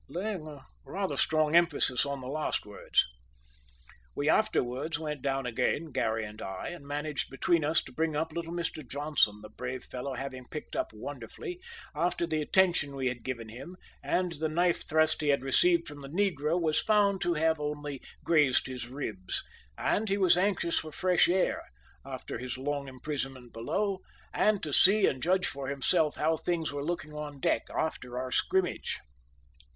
laying a rather strong emphasis on the last words. We afterwards went down again, Garry and I, and managed between us to bring up little Mr Johnson, the brave fellow having picked up wonderfully after the attention we had given him, and the knife thrust he had received from the negro was found to have only grazed his ribs, and he was anxious for fresh air, after his long imprisonment below, and to see and judge for himself how things were looking on deck after our scrimmage.